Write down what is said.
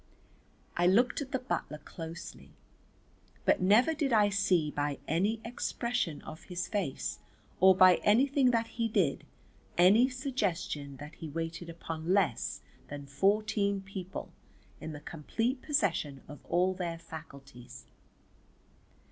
I looked at the butler closely, but never did I see by any expression of his face or by anything that he did any suggestion that he waited upon less than fourteen people in the complete possession of all their faculties.